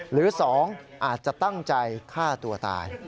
หรือ๒อาจจะตั้งใจฆ่าตัวตาย